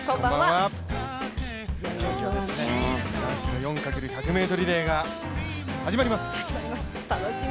男子４×１００リレーが始まります。